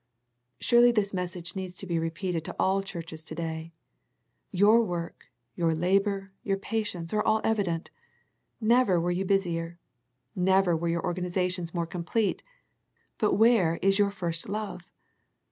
Surely this message needs to be repeated to all our churches to day. Your work, your labour, your patience are all evident. Never were you busier. Never were your organiza tions more complete, but where is your first love?